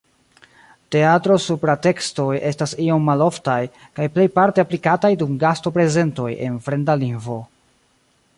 Teatro-supratekstoj estas iom maloftaj kaj plejparte aplikataj dum gasto-prezentoj en fremda lingvo.